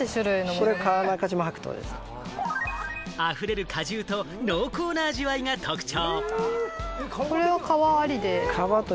あふれる果汁と濃厚な味わいが特徴。